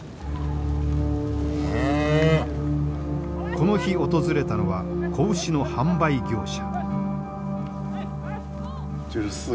この日訪れたのは子牛の販売業者。